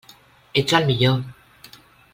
Ets el millor!